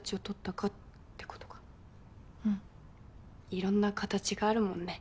いろんな形があるもんね